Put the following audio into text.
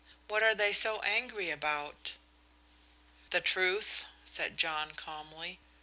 What are they so angry about?" "The truth," said John, calmly.